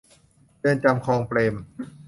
เรือนจำคลองเปรม